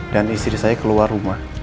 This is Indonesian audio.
dan istri saya keluar rumah